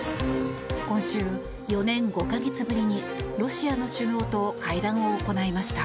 今週、４年５か月ぶりにロシアの首脳と会談を行いました。